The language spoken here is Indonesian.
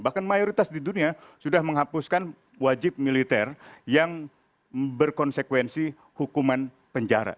bahkan mayoritas di dunia sudah menghapuskan wajib militer yang berkonsekuensi hukuman penjara